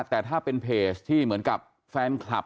แต่ถ้าเป็นเพจที่เหมือนกับแฟนคลับ